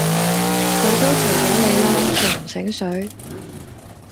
佢都提左你啦！仲唔醒水